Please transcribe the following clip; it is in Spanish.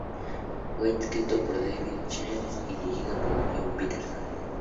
Fue escrito por David Chase y dirigido por John Patterson.